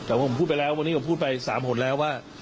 แต่ว่าผมพูดไปแล้ววันนี้ผมพูดไป๓หนแล้วว่า